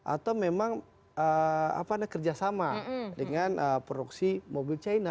atau memang kerjasama dengan produksi mobil china